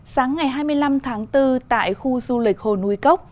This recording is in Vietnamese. sáng ngày hai mươi năm tháng bốn tại khu du lịch hồ núi cốc